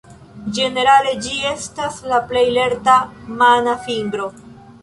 Ĝenerale ĝi estas la plej lerta mana fingro.